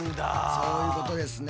そういうことですね。